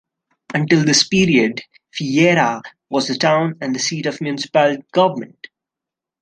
Until this period Frieira was the town and seat of the municipal government.